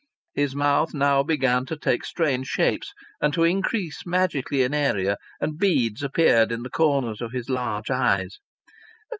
His mouth now began to take strange shapes and to increase magically in area, and beads appeared in the corners of his large eyes.